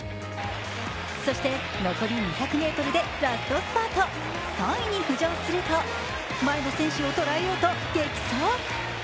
そして残り２００ｍでラストスパート、３位に浮上すると前の選手を捉えようと激走。